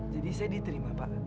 jadi saya diterima pak